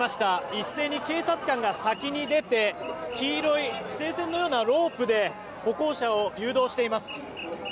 一斉に警察官が先に出て黄色い規制線のようなロープで歩行者を誘導しています。